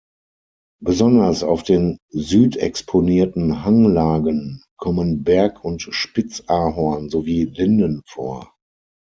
Besonders auf den südexponierten Hanglagen kommen Berg- und Spitzahorn sowie Linden vor.